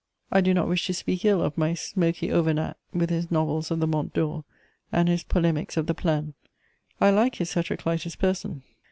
I do not wish to speak ill of my "smoky Auvernat," with his novels of the Mont d'Or and his polemics of the Plaine; I like his heteroclitous person.